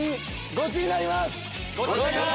ゴチになります！